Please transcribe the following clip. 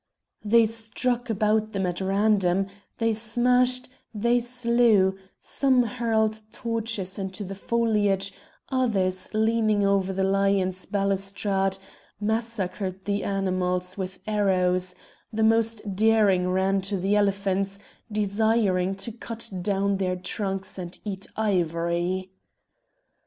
They struck about them at random, they smashed, they slew; some hurled torches into the foliage; others, leaning over the lions' balustrade, massacred the animals with arrows; the most daring ran to the elephants, desiring to cut down their trunks and eat ivory.